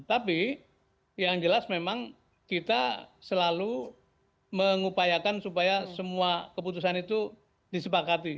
tapi yang jelas memang kita selalu mengupayakan supaya semua keputusan itu disepakati